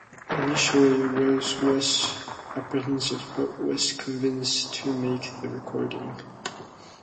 Initially, Ross was apprehensive, but was convinced to make the recording.